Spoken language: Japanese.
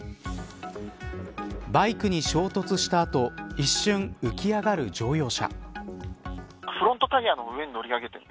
バイクに衝突した後一瞬浮き上がる乗用車。